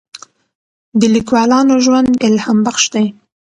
د لیکوالانو ژوند الهام بخش دی.